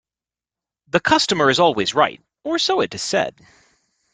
The customer is always right, or so it is said